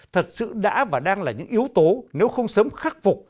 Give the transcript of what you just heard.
thật sự đã và đang là những yếu tố nếu không sớm khắc phục